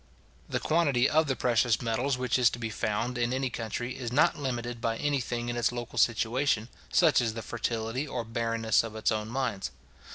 The quantity of the precious metals which is to be found in any country, is not limited by any thing in its local situation, such as the fertility or barrenness of its own mines.